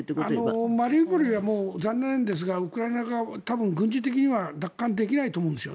マリウポリは残念ですがウクライナ側は多分軍事的には奪還できないと思うんです。